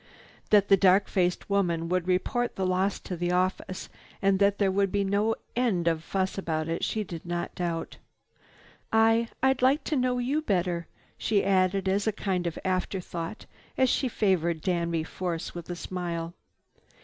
That the dark faced woman would report the loss to the office and that there would be no end of fuss about it, she did not doubt. "I—I'd like to know you better," she added as a kind of after thought, as she favored Danby Force with a smile.